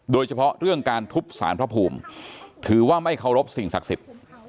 โดยเฉพาะเรื่องการทุบสารพระภูมิถือว่าไม่เคารพสิ่งศักดิ์สิทธิ์